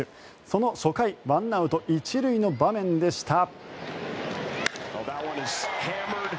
その初回１アウト１塁の場面でした。